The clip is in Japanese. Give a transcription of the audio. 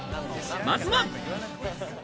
まずは。